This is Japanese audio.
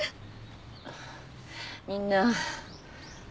みんな。